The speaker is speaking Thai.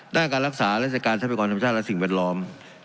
ได้การรักษาและใช้ประกอบธรรมชาติและสิ่งแวดล้อม